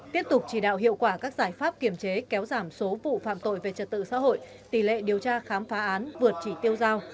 tiếp tục chỉ đạo hiệu quả các giải pháp kiểm chế kéo giảm số vụ phạm tội về trật tự xã hội tỷ lệ điều tra khám phá án vượt chỉ tiêu giao